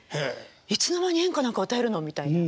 「いつの間に演歌なんか歌えるの」みたいな。